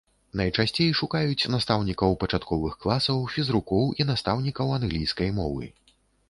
Найчасцей шукаюць настаўнікаў пачатковых класаў, фізрукоў і настаўнікаў англійскай мовы.